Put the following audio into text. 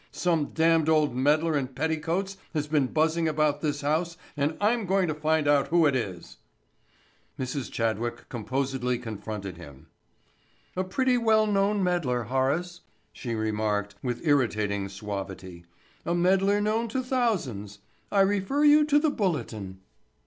Some damned old meddler in petticoats has been buzzing about this house and I'm going to find out who it is." Mrs. Chadwick composedly confronted him. "A pretty well known meddler, Horace," she remarked with irritating suavity. "A meddler known to thousands. I refer you to the Bulletin."